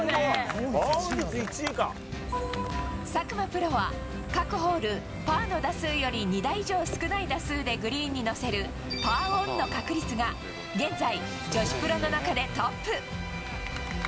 プロは、各ホールパーの打数より、２打以上少ない打数でグリーンに乗せるパーオンの確率が、現在、女子プロの中でトップ。